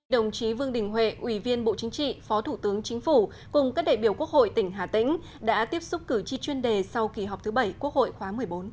đồng chí vương đình huệ ủy viên bộ chính trị phó thủ tướng chính phủ cùng các đại biểu quốc hội tỉnh hà tĩnh đã tiếp xúc cử tri chuyên đề sau kỳ họp thứ bảy quốc hội khóa một mươi bốn